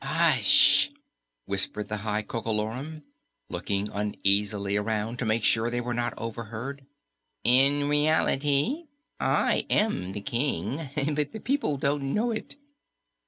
"Hush!" whispered the High Coco Lorum, looking uneasily around to make sure they were not overheard. "In reality, I am the King, but the people don't know it.